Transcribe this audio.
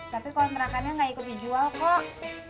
tapi kontrakannya nggak ikut dijual kok